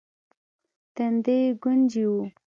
تندی يې ګونجې و.